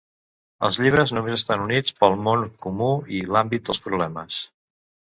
Els llibres només estan units pel món comú i l'àmbit dels problemes.